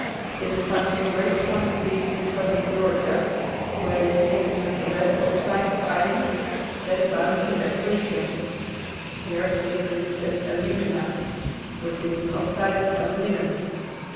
It is found in great quantities in southern Georgia, where it is mixed with the red oxide of iron that abounds in that region. Here, it exists as alumina, which is an oxide of aluminum.